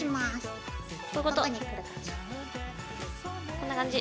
こんな感じ？